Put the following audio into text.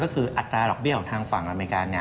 ก็คืออัตราดอกเบี้ยของทางฝั่งอเมริกา